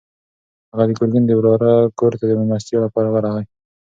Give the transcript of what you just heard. هغه د ګرګین د وراره کور ته د مېلمستیا لپاره ورغی.